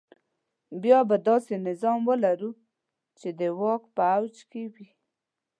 بیا به داسې نظام ولرو چې د واک په اوج کې وي.